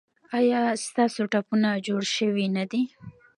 ایا ستاسو ټپونه جوړ شوي نه دي؟